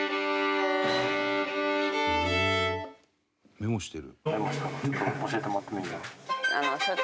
「メモしてる」